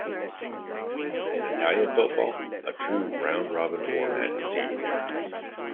In Italian football, a true round-robin format is used.